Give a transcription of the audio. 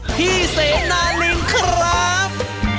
พี่เสนาลิงครับ